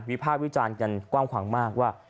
ภาควิจารณ์กันกว้างขวางมากว่า